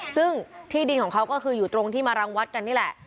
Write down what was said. ซึ่งที่ดินของเขาก็คืออยู่ตรงที่มารังวัดกันนี่แหละ